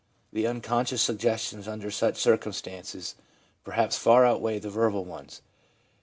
The unconscious suggestions under such circumstances perhaps far outweigh the verbal ones.